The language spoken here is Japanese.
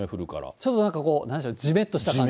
ちょっとなんかこう、じめっとした感じ。